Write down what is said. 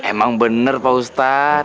emang bener pak ustad yang lain udah pulang